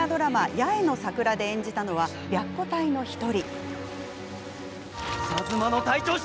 「八重の桜」で演じたのは、白虎隊の１人。